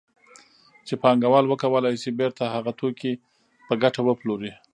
چې پانګوال وکولای شي بېرته هغه توکي په ګټه وپلوري